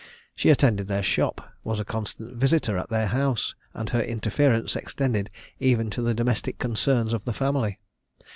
She attended their shop, was a constant visitor at their house, and her interference extended even to the domestic concerns of the family.